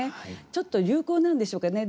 ちょっと流行なんでしょうかね。